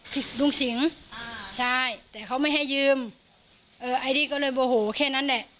ลุงสิงอ่าใช่แต่เขาไม่ให้ยืมเออไอดี้ก็เลยโมโหแค่นั้นแหละ